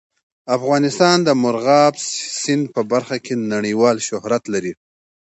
افغانستان د مورغاب سیند په برخه کې نړیوال شهرت لري.